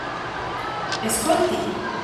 Escolti!